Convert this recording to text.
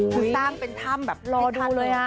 คือสร้างเป็นถ้ำแบบไม่ทันรอดูเลยอ่ะ